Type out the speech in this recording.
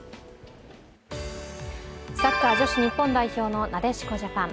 サッカー女子日本代表のなでしこジャパン。